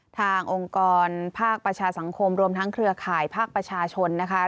องค์กรภาคประชาสังคมรวมทั้งเครือข่ายภาคประชาชนนะคะ